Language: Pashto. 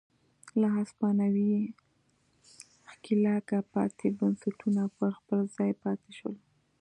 له هسپانوي ښکېلاکه پاتې بنسټونه پر خپل ځای پاتې شول.